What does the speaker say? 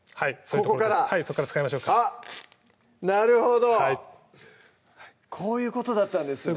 ここからはいそこから使いましょうかなるほどこういうことだったんですね